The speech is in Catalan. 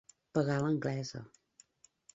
Pagar a l'anglesa.